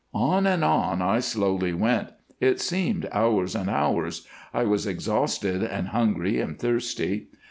"On, and on, I slowly went. It seemed hours and hours. I was exhausted and hungry and thirsty.